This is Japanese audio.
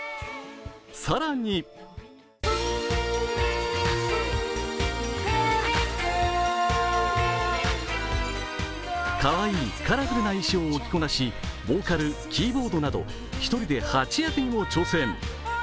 更にかわいいカラフルな衣装を着こなし、ボーカル、キーボードなど１人で８役にも挑戦。